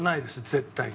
絶対に。